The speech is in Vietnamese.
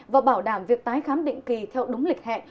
và bảo đảm việc tái khám định kỳ theo đúng lịch hẹn